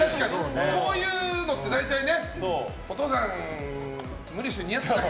こういうのって大体ねお父さん無理して似合ってない。